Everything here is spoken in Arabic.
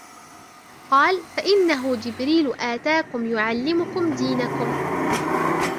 قالَ: فَإِنَّهُ جِبْرِيلُ أَتَاكُمْ يُعَلِّمُكُمْ دِينَكُمْ